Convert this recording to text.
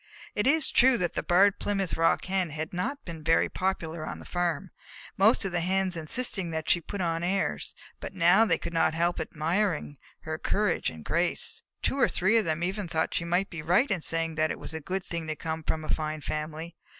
It is true that the Barred Plymouth Rock Hen had not been very popular on the farm, most of the Hens insisting that she put on airs, but now they could not help admiring her courage and grace. Two or three of them even thought she might be right in saying that it was a good thing to come from a fine family.